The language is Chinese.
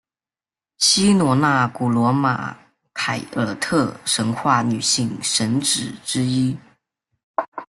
希罗纳古罗马凯尔特神话女性神只之一。